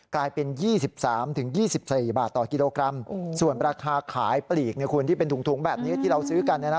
กลายเป็นยี่สิบสามถึงยี่สิบสี่บาทต่อกิโลกรัมส่วนราคาขายปลีกเนี่ยคุณที่เป็นถุงถุงแบบนี้ที่เราซื้อกันนะฮะ